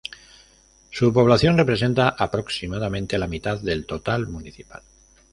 Su población representa aproximadamente la mitad del total municipal.